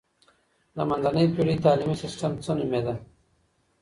د منځنۍ پېړۍ تعلیمي سیستم څه نومیده؟